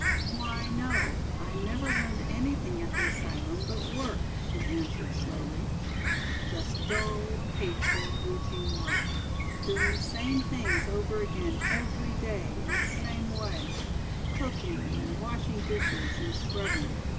"Why, no, I never learned anything at the asylum but work," she answered slowly, "just dull, hateful, routine work; doing the same things over again every day in the same way, cooking and washing dishes and scrubbing.